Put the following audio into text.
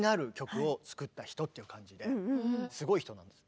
すごい人なんです。